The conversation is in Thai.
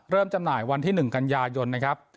เริ่มจำหน่ายวันที่หนึ่งกันยายนนะครับ